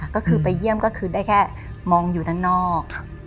ก็คือไปเยี่ยมก็คือได้แค่มองอยู่ด้านนอก